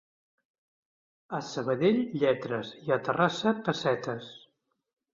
A Sabadell, lletres, i a Terrassa, pessetes.